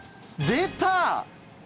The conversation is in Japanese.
出た！